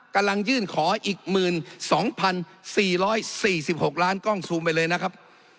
กำลังยื่นขออีก๑๒๔๔๖ล้านกล้องซูมไปเลยนะครับ